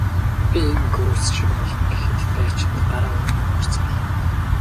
Би энэ гөрөөс шиг болгоно гэхэд дайчид гараа өргөн ухарцгаалаа.